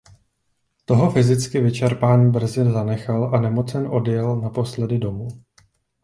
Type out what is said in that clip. Toho fyzicky vyčerpán brzy zanechal a nemocen odjel naposledy domů.